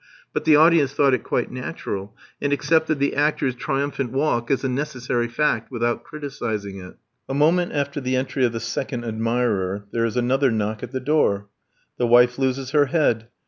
But the audience thought it quite natural, and accepted the actor's triumphant walk as a necessary fact, without criticising it. A moment after the entry of the second admirer there is another knock at the door. The wife loses her head.